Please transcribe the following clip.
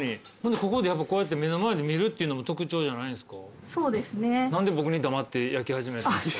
ここでこうやって目の前で見るっていうのも特徴じゃないんですか？